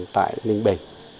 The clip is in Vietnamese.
tại ninh bình